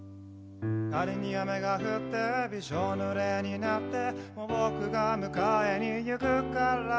仮に雨が降ってびしょ濡れになってもぼくが迎えに行くから